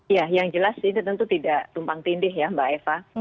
ya yang jelas ini tentu tidak tumpang tindih ya mbak eva